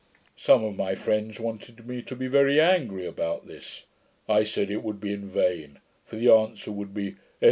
Some of my friends wanted me to be very angry about this. I said, it would be in vain; for the answer would be, S.